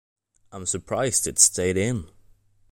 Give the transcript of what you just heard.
I'm surprised it stayed in.